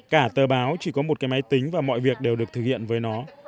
cả tờ báo chỉ có một cái máy tính và mọi việc đều được thực hiện với nó